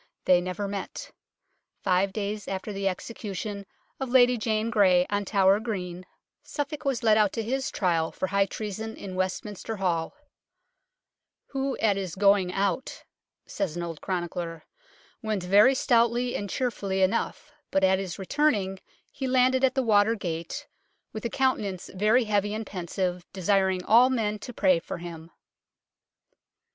They never met. Five days after the execution of Lady Jane Grey on Tower Green, io UNKNOWN LONDON Suffolk was led out to his trial for high treason in Westminster Hall, " who at his going out," says an old chronicler, " went very stoutly and cheerfully enough, but at his returning he landed at the water gate with a countenance very heavy and pensive, desiring all men to pray for him."